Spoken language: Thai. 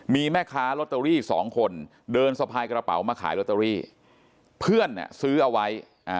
มีแม่ค้าลอตเตอรี่สองคนเดินสะพายกระเป๋ามาขายลอตเตอรี่เพื่อนซื้อเอาไว้